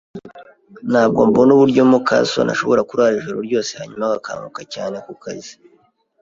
Ntabwo mbona uburyo muka soni ashobora kurara ijoro ryose hanyuma akanguka cyane kukazi.